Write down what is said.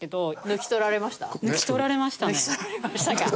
抜き取られましたか。